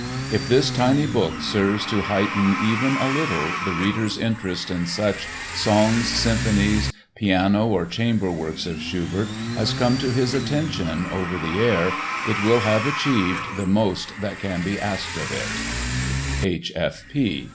If this tiny book serves to heighten even a little the reader's interest in such songs, symphonies, piano or chamber works of Schubert as come to his attention over the air it will have achieved the most that can be asked of it. H.